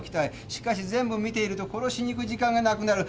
しかし全部見ていると殺しに行く時間がなくなる。